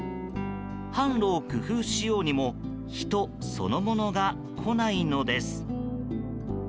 販路を工夫しようにも人そのものが来ないのです。